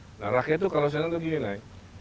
dan akhirnya itu kalau saya nanti gini